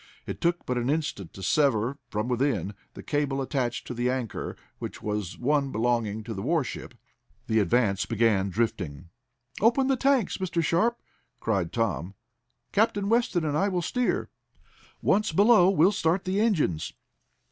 It took but an instant to sever, from within, the cable attached to the anchor, which was one belonging to the warship. The Advance began drifting. "Open the tanks, Mr. Sharp!" cried Tom. "Captain Weston and I will steer. Once below we'll start the engines."